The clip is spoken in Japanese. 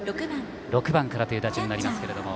６番からという打順になります。